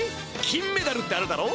金メダルってあるだろ？